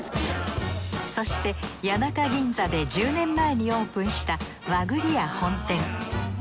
そして谷中ぎんざで１０年前にオープンした和栗や本店。